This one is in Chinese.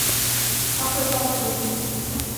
她会告诉你